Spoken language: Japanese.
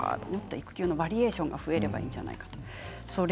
育休のバリエーションが増えればいいんじゃないかと。